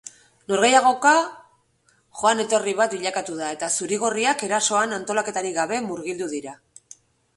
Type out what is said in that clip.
Norgehiagoka joan etorri bat bilakatu da eta zuri-gorriak erasoan antolaketarik gabe murgildu dira.